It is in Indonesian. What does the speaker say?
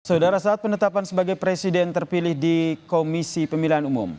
saudara saat penetapan sebagai presiden terpilih di komisi pemilihan umum